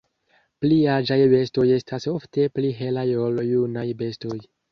Pli aĝaj bestoj estas ofte pli helaj ol junaj bestoj.